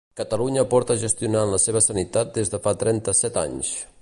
Catalunya porta gestionant la seva sanitat des de fa trenta-set anys.